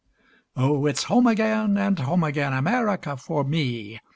Oh, it's home again, and home again, America for me!